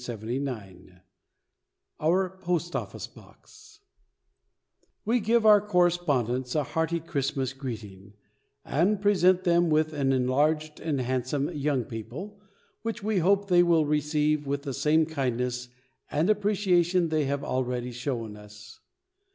[Illustration: OUR POST OFFICE BOX] We give our correspondents a hearty Christmas greeting, and present them with an enlarged and handsome Young People, which we hope they will receive with the same kindness and appreciation they have already shown us.